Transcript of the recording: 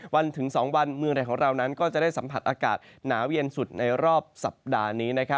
วันถึง๒วันเมืองไหนของเรานั้นก็จะได้สัมผัสอากาศหนาวเย็นสุดในรอบสัปดาห์นี้